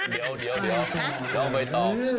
เดี๋ยวต้องไปต่อ